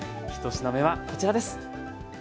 １品目はこちらです。